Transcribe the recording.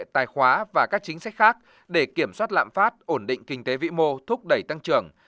tài khoá và các chính sách khác để kiểm soát lạm phát ổn định kinh tế vĩ mô thúc đẩy tăng trưởng